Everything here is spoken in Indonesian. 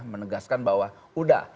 menegaskan bahwa sudah